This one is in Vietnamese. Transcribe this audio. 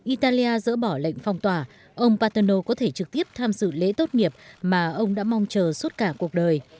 italia dỡ bỏ lệnh phong tỏa ông paterno có thể trực tiếp tham dự lễ tốt nghiệp mà ông đã mong chờ suốt cả cuộc đời